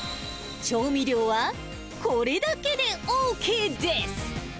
調味料はこれだけでＯＫです。